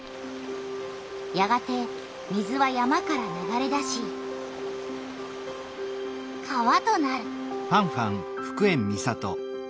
やがて水は山から流れ出し川となる。